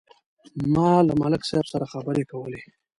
ما له ملک صاحب سره خبرې کولې.